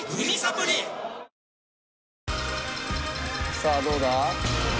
さあどうだ？